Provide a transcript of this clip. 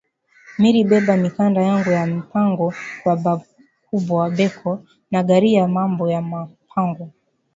Miri beba mikanda yangu ya mpango kwa ba kubwa beko nagariya mambo ya ma mpango